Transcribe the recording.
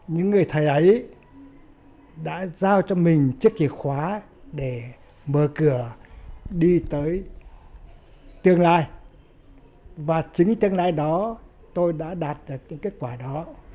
những người thầy ấy đã giao cho mình trước kỳ khóa để mở cửa đi tới tương lai và chính tương lai đó tôi đã đạt được cái kết quả đó